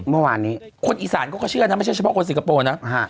เมื่อวานนี้คนอีสานเขาก็เชื่อนะไม่ใช่เฉพาะคนสิงคโปร์นะ